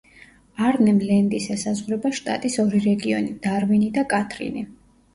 არნემ-ლენდის ესაზღვრება შტატის ორი რეგიონი: დარვინი და კათრინი.